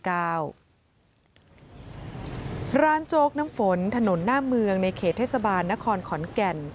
โจ๊กน้ำฝนถนนหน้าเมืองในเขตเทศบาลนครขอนแก่น